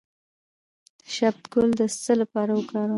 د شبت ګل د څه لپاره وکاروم؟